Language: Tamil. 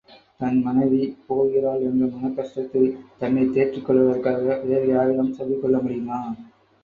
தன் மனைவி........ போகிறாள் என்ற மனக் கஷ்டத்தை, தன்னைத் தேற்றிக் கொள்வதற்காக வேறு யாரிடமும் சொல்லிக் கொள்ள முடியுமா?